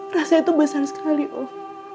rasa itu besar sekali om